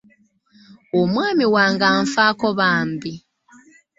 Omwami wange anfaako bambi.